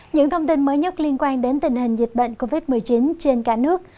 những thông tin mới nhất liên quan đến tình hình dịch bệnh covid một mươi chín trên cả nước